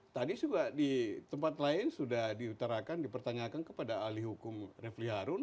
tadi juga di tempat lain sudah diutarakan dipertanyakan kepada ahli hukum refli harun